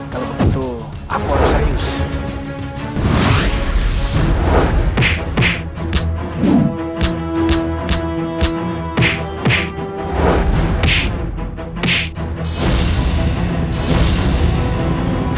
kalau begitu aku harus reayus